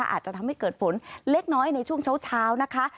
อาจจะทำให้เกิดฝนเล็กน้อยในช่วงเช้านะคะ